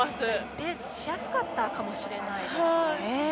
レースしやすかったかもしれないですね。